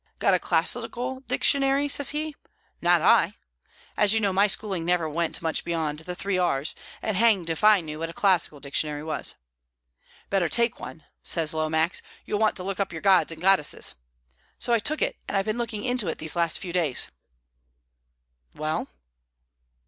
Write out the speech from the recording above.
'Got a classical dictionary?' says he. 'Not I!' As you know, my schooling never went much beyond the three R's, and hanged if I knew what a classical dictionary was. 'Better take one,' says Lomax. 'You'll want to look up your gods and goddesses.' So I took it, and I've been looking into it these last few days." "Well?"